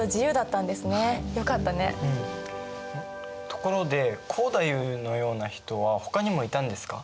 ところで光太夫のような人はほかにもいたんですか？